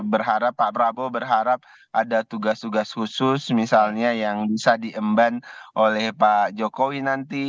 berharap pak prabowo berharap ada tugas tugas khusus misalnya yang bisa diemban oleh pak jokowi nanti